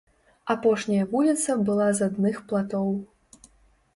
Апошняя вуліца была з адных платоў.